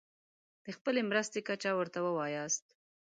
د خپلې مرستې کچه ورته ووایاست.